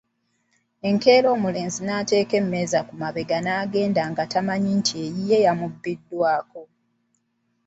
Enkeera omulenzi n'ateeka emmeeza ku mabega n'agenda nga tamanyi nti eyiye yamubbiddwako.